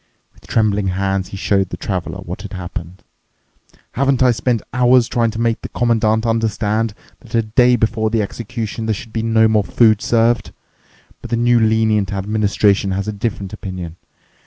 With trembling hands he showed the Traveler what had happened. "Haven't I spent hours trying to make the Commandant understand that a day before the execution there should be no more food served. But the new lenient administration has a different opinion.